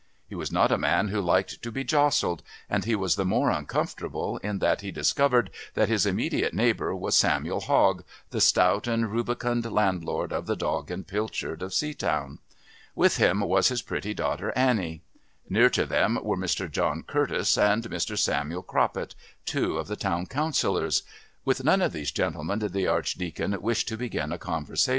He was not a man who liked to be jostled, and he was the more uncomfortable in that he discovered that his immediate neighbour was Samuel Hogg, the stout and rubicund landlord of the "Dog and Pilchard" of Seatown. With him was his pretty daughter Annie. Near to them were Mr. John Curtis and Mr. Samuel Croppet, two of the Town Councillors. With none of these gentlemen did the Archdeacon wish to begin a conversation.